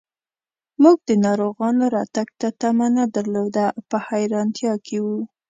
موږ د ناروغانو راتګ ته تمه نه درلوده، په حیرانتیا کې و.